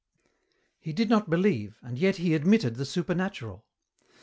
He did not believe, and yet he admitted the supernatural.